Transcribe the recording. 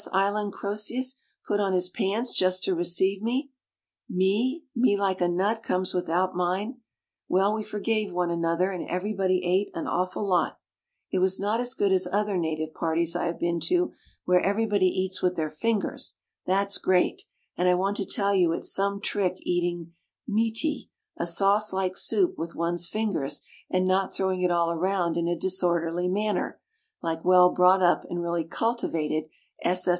Island Croesns put on his pants Just to receive me — me like a nut comes without mine — Well we forgave one another and everybody ate an awful lot — It was not as good as other native parties I have been to where everybody eats with their fingers — that's great — and I want to tell you it's some trick eating "miti", a sauce like soup, with one's fingers and not throwing it all around in a dis orderly manner like well brought up and really cultivated S. S.